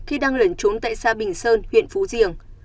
khi đang lẩn trốn tại xã bình sơn huyện phú diềng